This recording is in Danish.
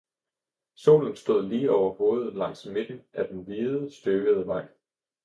Solen stod lige over hovedet langs midten af den hvide, støvede vej